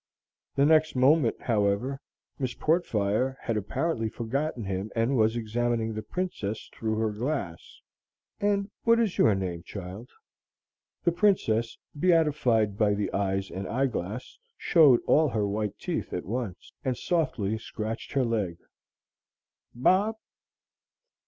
The next moment, however, Miss Portfire had apparently forgotten him and was examining the Princess through her glass. "And what is your name, child?" The Princess, beatified by the eyes and eyeglass, showed all her white teeth at once, and softly scratched her leg. "Bob?"